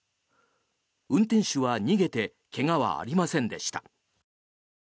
運転手は逃げて怪我はありませんでした。